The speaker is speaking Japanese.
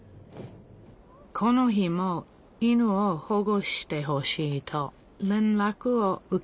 この日も犬を保護してほしいと連らくを受けました。